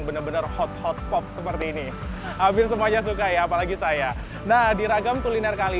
benar benar hot hot pop seperti ini hampir semuanya suka ya apalagi saya nah di ragam kuliner kali